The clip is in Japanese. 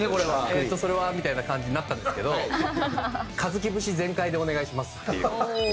えっとそれはみたいな感じになったんですけど「ｋａｚｕｋｉ節全開でお願いします」っていう。